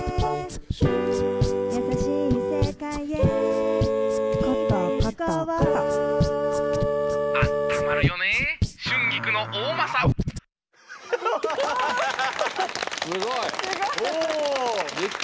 すごい！